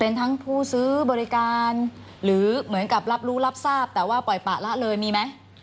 เป็นทั้งผู้ซื้อบริการหรือเหมือนกับรับรู้รับทราบแต่ว่าปล่อยปะละเลยมีไหม